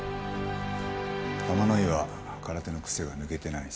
玉乃井は空手の癖が抜けてない。